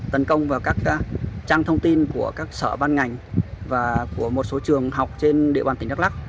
tấn công vào các trang thông tin của các sở ban ngành và của một số trường học trên địa bàn tỉnh đắk lắc